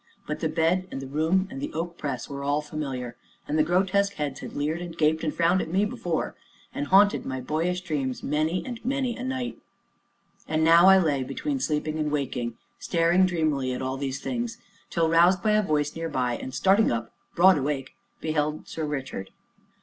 But the bed and the room and the oak press were all familiar, and the grotesque heads had leered and gaped and frowned at me before, and haunted my boyish dreams many and many a night. And now I lay between sleeping and waking, staring dreamily at all these things, till roused by a voice near by, and starting up, broad awake, beheld Sir Richard.